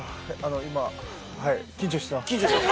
今、緊張してます。